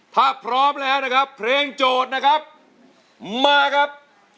ถ้าพร้อมแล้วนะครับเพลงโจทย์นะครับมาครับ